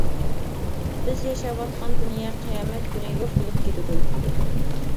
بىز ياشاۋاتقان دۇنيا قىيامەت كۈنى يوق بولۇپ كېتىدۇ.